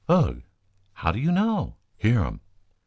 "Ugh." "How do you know?" "Hear um."